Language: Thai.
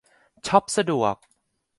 ช็อปสะดวก